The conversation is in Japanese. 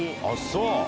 あっそう。